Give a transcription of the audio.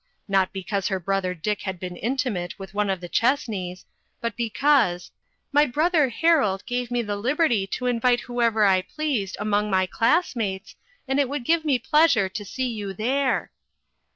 Not because her brother Dick had been intimate with one of the Chessneys, but because "My brother Harold gave me liberty to invite whoever I pleased among my class mates, and it would give me pleasure to see you there."